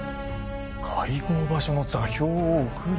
「会合場所の座標を送る」？